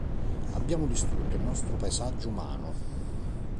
Abbiamo distrutto il nostro paesaggio umano”.